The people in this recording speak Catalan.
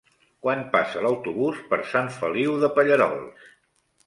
Quan passa l'autobús per Sant Feliu de Pallerols?